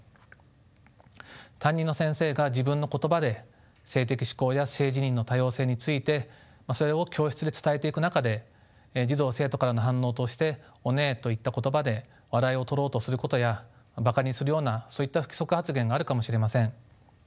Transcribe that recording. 担任の先生が自分の言葉で性的指向や性自認の多様性についてそれを教室で伝えていく中で児童・生徒からの反応として「オネエ」といった言葉で笑いを取ろうとすることやバカにするようなそういった不規則発言があるかもしれません。